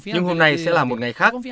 nhưng hôm nay sẽ là một ngày khác